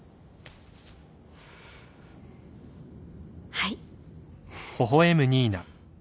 はい。